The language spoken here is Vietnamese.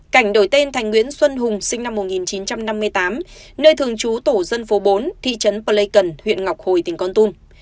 cảnh đổi tên thành nguyễn xuân hùng sinh năm một nghìn chín trăm năm mươi tám nơi thường trú tổ dân phố bốn thị trấn pleikon huyện ngọc hồi tỉnh con tum